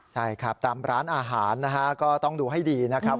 ใช่ครับตามร้านอาหารนะฮะก็ต้องดูให้ดีนะครับ